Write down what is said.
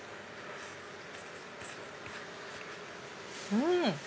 うん！